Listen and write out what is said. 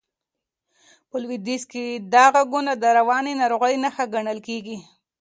په لوېدیځ کې دا غږونه د رواني ناروغۍ نښه ګڼل کېږي.